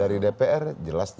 dari dpr jelas tidak